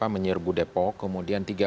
menyerbu depok kemudian